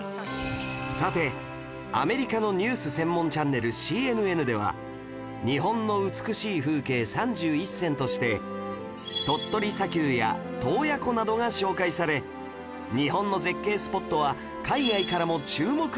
さてアメリカのニュース専門チャンネル ＣＮＮ では日本の美しい風景３１選として鳥取砂丘や洞爺湖などが紹介され日本の絶景スポットは海外からも注目を集めています